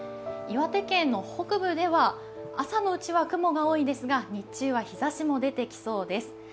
岩手県の北部では朝のうちは雲が多いですが日中は日ざしも出てきそうです。